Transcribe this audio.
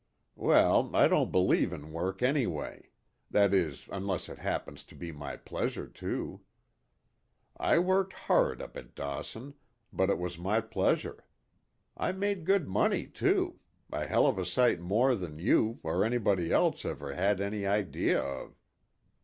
"Well, I don't believe in work, anyway. That is unless it happens to be my pleasure, too. I worked hard up at Dawson, but it was my pleasure. I made good money, too a hell of a sight more than you or anybody else ever had any idea of."